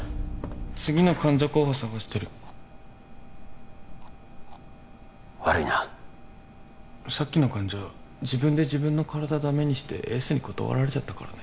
次の患者候補探してる悪いなさっきの患者自分で自分の体ダメにしてエースに断られちゃったからね